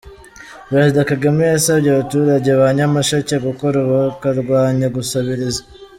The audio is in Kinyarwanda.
Perezida Kagame yasabye abaturage ba Nyamasheke gukora bakarwanya gusabiriza